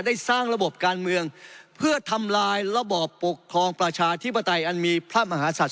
ได้สร้างระบบการเมืองเพื่อทำลายระบอบปกครองประชาธิปไตยอันมีพระมหาศัตว